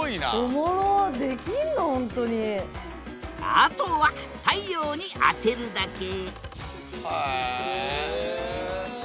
あとは太陽に当てるだけへえ。